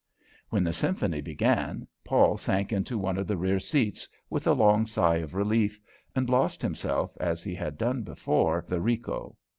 When the symphony began Paul sank into one of the rear seats with a long sigh of relief, and lost himself as he had done before the Rico.